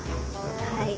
はい。